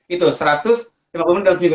itu satu ratus lima puluh menit dalam seminggu